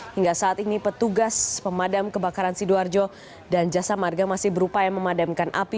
hingga saat ini petugas pemadam kebakaran sidoarjo dan jasa marga masih berupaya memadamkan api